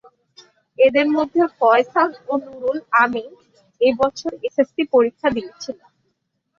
এদের মধ্যে ফয়সাল ও নুরুল আমিন এ বছর এসএসসি পরীক্ষা দিয়েছিল।